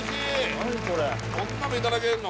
何これこんなのいただけるの？